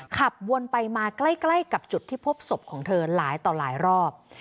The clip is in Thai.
ขับวนไปมาใกล้กับจุดที่พบศพของเธอหลายต่อหลายรอบ